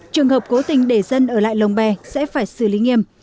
trường hợp cố tình để dân ở lại lồng bè sẽ phải xử lý nghiêm